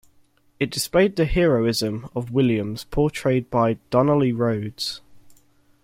It displayed the heroism of Williams, portrayed by Donnelly Rhodes.